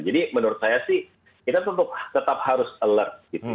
jadi menurut saya sih kita tetap harus alert